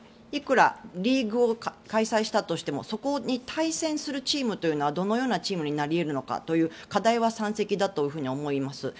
いくらリーグを開催したとしてもそこに対戦するチームというのはどのようなチームになり得るのかという課題は山積だと思います。